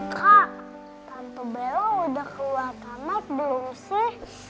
kak tante bella udah keluar tanah belum sih